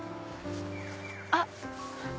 あっ！